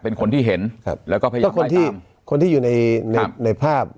เป็นคนที่เห็นครับแล้วก็พยายามคนที่คนที่อยู่ในในภาพ